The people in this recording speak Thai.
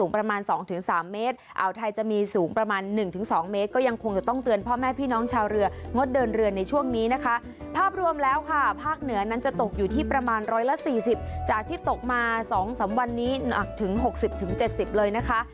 จากที่ตกมาสองสามวันนี้หนักถึงหกสิบถึงเจ็ดสิบเลยนะคะ